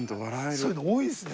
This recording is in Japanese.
そういうの多いですね